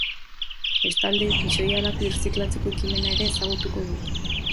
Bestalde, pixoihalak birziklatzeko ekimena ere ezagutuko dugu.